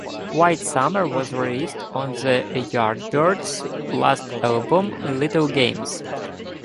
"White Summer" was released on the Yardbirds' last album, "Little Games".